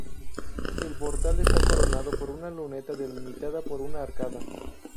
El portal está coronado por una luneta delimitada por una arcada.